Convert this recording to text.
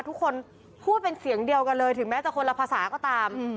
ทุกคนพูดเป็นเสียงเดียวกันเลยถึงแม้จะคนละภาษาก็ตาม